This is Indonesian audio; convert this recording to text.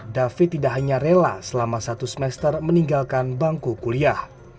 david tidak hanya rela selama satu semester meninggalkan bangku kuliah